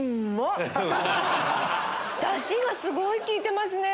ダシがすごい効いてますね！